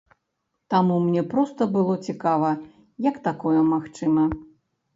Таму мне проста было цікава, як такое магчыма.